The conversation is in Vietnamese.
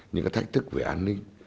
những cái thách thức về an ninh